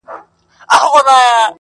نه لحاظ کړي د قاضیانو کوټوالانو،